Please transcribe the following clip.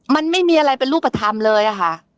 มันไม่มีอะไรเป็นรูปธรรมเลยอะค่ะ